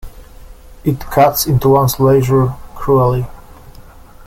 It cuts into one's leisure cruelly.